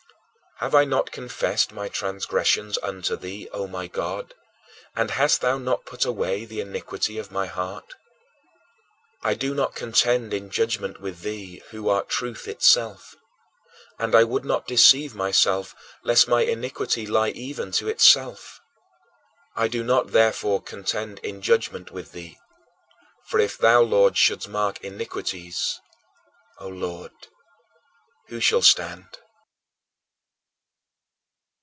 Have I not confessed my transgressions unto thee, O my God; and hast thou not put away the iniquity of my heart? I do not contend in judgment with thee, who art truth itself; and I would not deceive myself, lest my iniquity lie even to itself. I do not, therefore, contend in judgment with thee, for "if thou, Lord, shouldst mark iniquities, O Lord, who shall stand?"